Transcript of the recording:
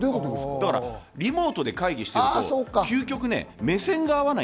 リモートで会議してると究極、目線が合わない。